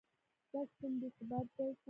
دا سیستم بیې ثابت ساتي.